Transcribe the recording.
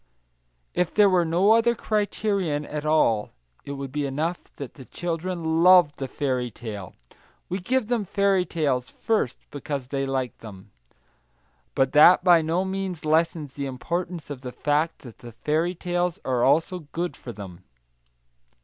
If there were no other criterion at all, it would be enough that the children love the fairy tale; we give them fairy stories, first, because they like them. But that by no means lessens the importance of the fact that fairy tales are also good for them.